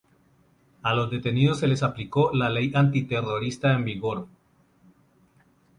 A los detenidos se les aplicó la ley antiterrorista en vigor.